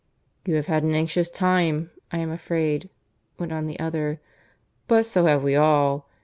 "You have had an anxious time, I am afraid," went on the other. "But so have we all.